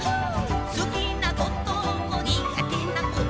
「すきなこともにがてなことも」